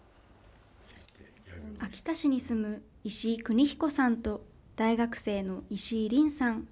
秋田市に住む石井邦彦さんと、大学生の石井凛さん。